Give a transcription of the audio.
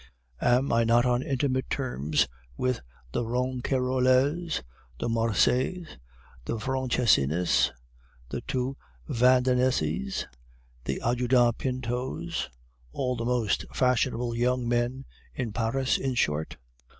"'Am I not on intimate terms with the Ronquerolles, the Marsays, the Franchessinis, the two Vandenesses, the Ajuda Pintos, all the most fashionable young men in Paris, in short?